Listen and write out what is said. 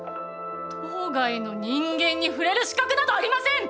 島外の人間に触れる資格などありません！